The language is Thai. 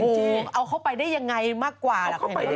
โอ้โหเอาเข้าไปได้ยังไงมากกว่าล่ะ